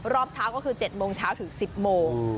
รอบเช้าก็คือ๗โมงเช้าถึง๑๐โมง